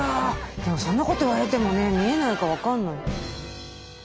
でもそんなこと言われてもね見えないから分かんない。